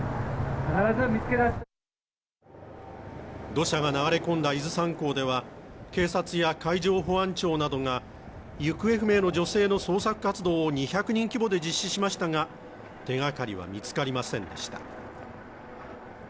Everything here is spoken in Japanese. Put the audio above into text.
土砂が流れ込んだ伊豆山港では警察や海上保安庁などが行方不明の女性の捜索活動を２００人規模で実施しましたが、手がかりは見つかりませんでした。